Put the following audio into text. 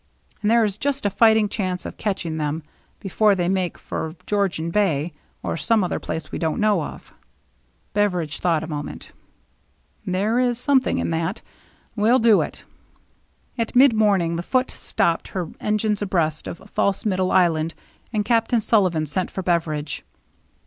And there is just a fighting chance of catching them there before they make for Georgian Bay, or some other place we don't know of." Beveridge thought a moment. " There is something in that. We'll do it." At mid morning the Foote stopped her engines abreast of False Middle Island, and Captain Sullivan sent for Beveridge.